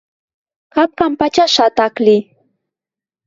Капкам пачашат ак ли.